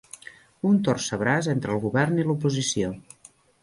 Un torcebraç entre el Govern i l'oposició.